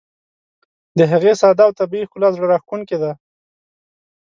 د هغې ساده او طبیعي ښکلا زړه راښکونکې ده.